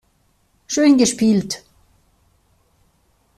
Schön gespielt.